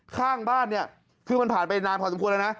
ข้างบ้านเนี่ยคือมันผ่านไปนานพอสมควรแล้วนะ